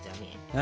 何？